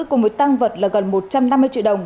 cùng với tăng vật là gần một trăm năm mươi triệu đồng